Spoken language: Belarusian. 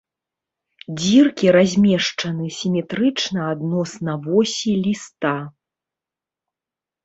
Дзіркі размешчаны сіметрычна адносна восі ліста.